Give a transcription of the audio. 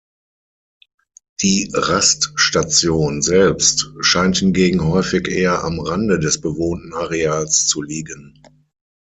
Die Raststation selbst scheint hingegen häufig eher am Rande des bewohnten Areals zu liegen.